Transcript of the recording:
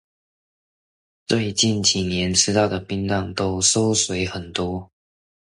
最近幾年吃到的冰棒都縮水很多